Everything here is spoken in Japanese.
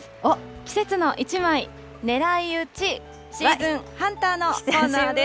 季節のいちまいねらいうち、シーズンハンターのコーナーです。